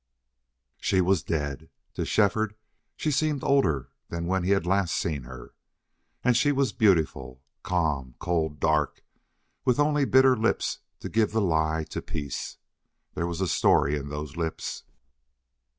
She was dead. To Shefford she seemed older than when he had last seen her. And she was beautiful. Calm, cold, dark, with only bitter lips to give the lie to peace! There was a story in those lips.